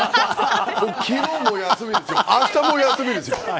昨日も休みあしたも休みですよ。